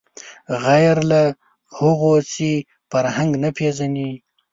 غیر له هغو چې فرهنګ نه پېژني